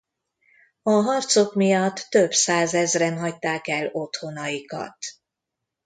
A harcok miatt több százezren hagyták el otthonaikat.